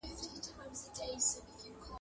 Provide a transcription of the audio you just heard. • مړ په څه سو، چي ساه ئې و خته.